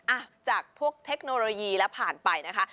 อ่ะจากพวกเทคโนโลยีแล้วผ่านไปนะคะ